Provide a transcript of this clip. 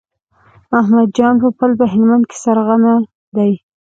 احمد جان پوپل په هلمند کې سرغنه دی.